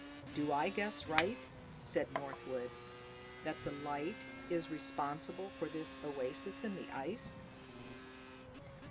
"Do I guess right," said Northwood, "that the light is responsible for this oasis in the ice?"